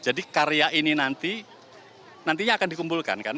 jadi karya ini nantinya akan dikumpulkan kan